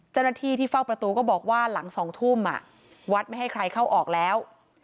เจ้าหน้าที่ที่เฝ้าประตูก็บอกว่าหลัง๒ทุ่มวัดไม่ให้ใครเข้าออกแล้ว